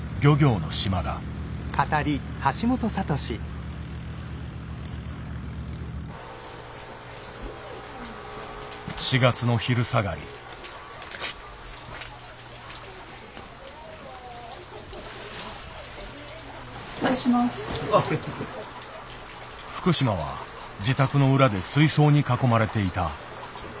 福島は自宅の裏で水槽に囲まれていた。